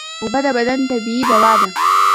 اوبه د بدن طبیعي دوا ده